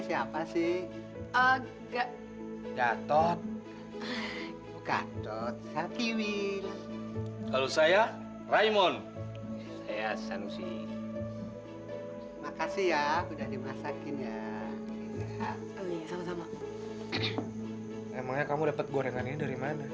sampai jumpa di video selanjutnya